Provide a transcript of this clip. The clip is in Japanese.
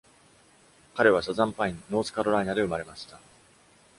彼は、サザンパイン(ノースカロライナ)で生まれました。